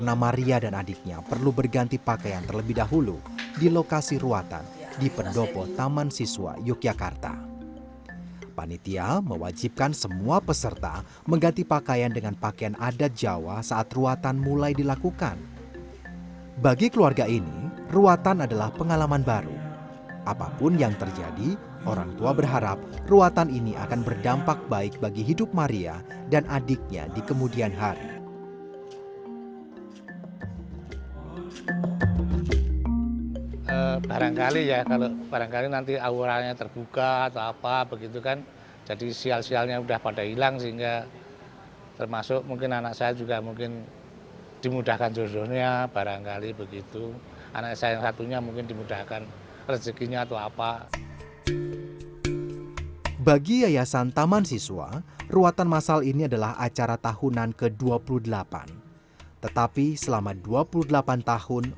sesaji dibawa ke lokasi ruatan di pendopo taman siswa kicermo sutejo mendoakannya terlebih dahulu